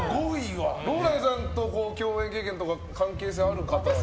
ＲＯＬＡＮＤさんと共演経験とか関係性ある方いますか？